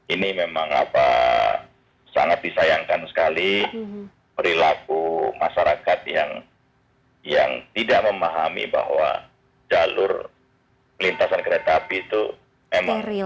ini memang apa sangat disayangkan sekali perilaku masyarakat yang tidak memahami bahwa jalur pelintasan kereta api itu memang bukan untuk dilewati oleh